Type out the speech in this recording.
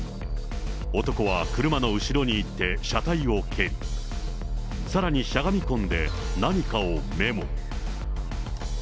男は車の後ろに行って車体を蹴り、さらにしゃがみ込んで何かをメモ。